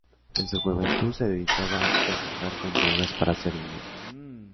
En su juventud se dedicaba a traficar con drogas para hacer dinero.